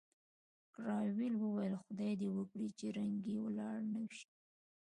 کراول وویل، خدای دې وکړي چې رنګ یې ولاړ نه شي.